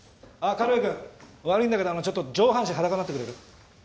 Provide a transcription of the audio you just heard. あっ軽部くん悪いんだけどちょっと上半身裸なってくれる。